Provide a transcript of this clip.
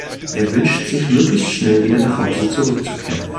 Er wünscht sich, möglichst schnell wieder nach Hause zurückzukehren.